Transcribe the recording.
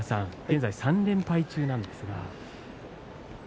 現在、３連敗中なんですね。